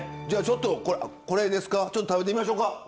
じゃあちょっとこれですかちょっと食べてみましょうか。